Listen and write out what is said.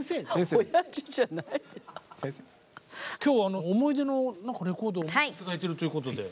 今日思い出のレコードをお持ち頂いてるということで。